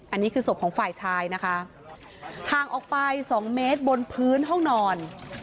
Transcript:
อันนี้คือศพของฝ่ายชายนะคะห่างออกไปสองเมตรบนพื้นห้องนอน